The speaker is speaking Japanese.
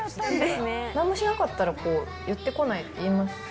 なんもしなかったら、寄ってこないって言いますよね。